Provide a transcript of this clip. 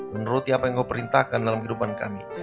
menuruti apa yang engkau perintahkan dalam kehidupan kami